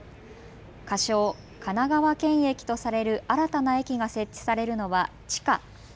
仮称、神奈川県駅とされる新たな駅が設置されるのは地下。